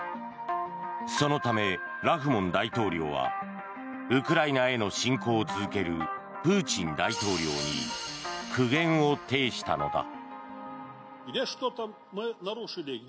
そのため、ラフモン大統領はウクライナへの侵攻を続けるプーチン大統領に苦言を呈したのだ。